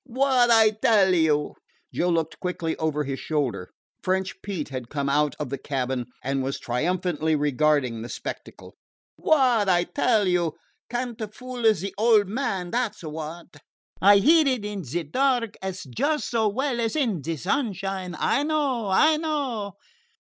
"What I tell you?" Joe looked quickly over his shoulder. French Pete had come out of the cabin and was triumphantly regarding the spectacle. "What I tell you? Can't fool a ze old man, dat 's what. I hit it in ze dark just so well as in ze sunshine. I know I know."